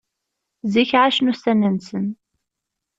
Zik εacen ussan-nsen.